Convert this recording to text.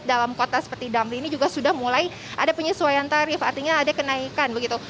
dalam kota seperti damri ini juga sudah mulai ada penyesuaian tarif artinya ada kenaikan begitu